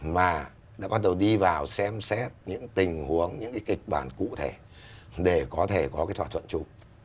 mà đã bắt đầu đi vào xem xét những tình huống những cái kịch bản cụ thể để có thể có cái thỏa thuận chung